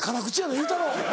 言うたろう。